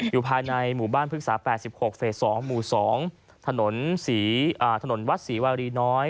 อยู่ภายในหมู่บ้านพฤกษา๘๖เฟส๒หมู่๒ถนนวัดศรีวารีน้อย